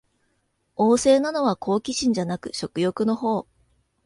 旺盛なのは好奇心じゃなく食欲のほう